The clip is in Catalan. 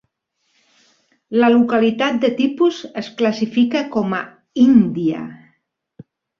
La localitat de tipus es classifica com a "Índia".